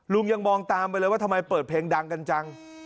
ยังมองตามไปเลยว่าทำไมเปิดเพลงดังกันจัง